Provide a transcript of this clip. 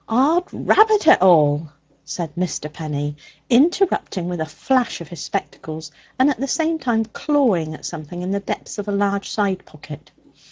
"'Od rabbit it all!" said Mr. Penny, interrupting with a flash of his spectacles, and at the same time clawing at something in the depths of a large side pocket.